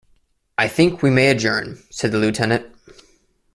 ‘I think we may adjourn,’ said the Lieutenant.